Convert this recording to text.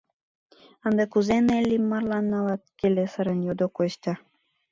— Ынде кузе, Неллим марлан налат? — келесырын йодо Костя.